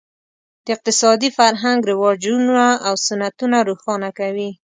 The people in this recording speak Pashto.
د اقتصادي فرهنګ رواجونه او سنتونه روښانه کوي.